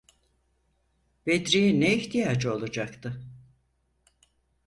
Bedri’ye ne ihtiyacı olacaktı?